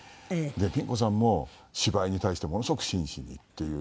ピン子さんも芝居に対してものすごく真摯にっていう。